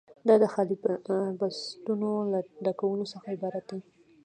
دا د خالي بستونو له ډکولو څخه عبارت دی.